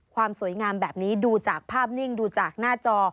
ความสวยงามแบบนี้ดูจากภาพนิ่งดูจากหน้าจอ